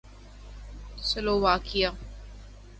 Slovakia